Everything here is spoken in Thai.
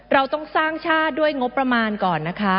เราต้องสร้างชาติด้วยงบประมาณก่อนนะคะ